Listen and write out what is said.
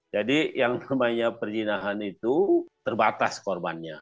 jadi yang namanya perjinahan itu terbatas korbannya